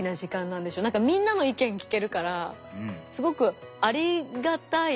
なんかみんなの意見聞けるからすごくありがたいですね。